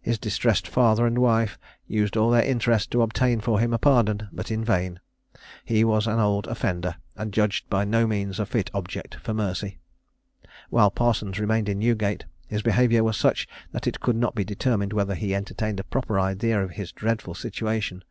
His distressed father and wife used all their interest to obtain for him a pardon, but in vain: he was an old offender, and judged by no means a fit object for mercy. While Parsons remained in Newgate, his behaviour was such that it could not be determined whether he entertained a proper idea of his dreadful situation.